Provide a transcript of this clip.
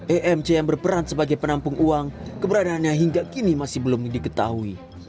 emc yang berperan sebagai penampung uang keberadaannya hingga kini masih belum diketahui